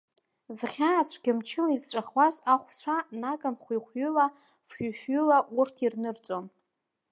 Зхьаа цәгьа мчыла изҵәахуаз ахәцәа наган хәҩы-хәҩыла, фҩы-фҩыла урҭ ирнырҵон.